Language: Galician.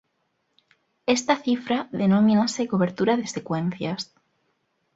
Esta cifra denomínase cobertura de secuencias.